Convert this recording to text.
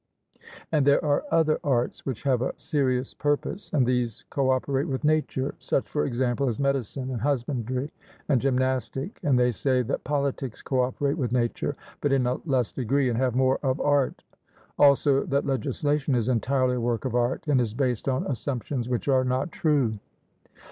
And there are other arts which have a serious purpose, and these co operate with nature, such, for example, as medicine, and husbandry, and gymnastic. And they say that politics co operate with nature, but in a less degree, and have more of art; also that legislation is entirely a work of art, and is based on assumptions which are not true.